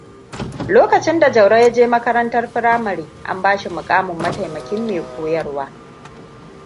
Lokacin da Jauro ya je makaranta firamare, an bashi mukamin mataimakin mai koyarwa.